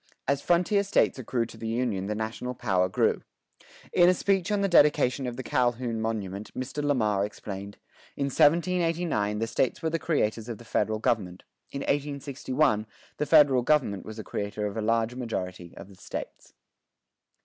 As frontier States accrued to the Union the national power grew. In a speech on the dedication of the Calhoun monument Mr. Lamar explained: "In 1789 the States were the creators of the Federal Government; in 1861 the Federal Government was the creator of a large majority of the States."